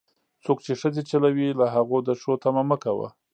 څوک چې ښځې چلوي، له هغو د ښو تمه مه کوه.